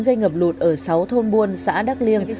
gây ngập lụt ở sáu thôn buôn xã đắk liêng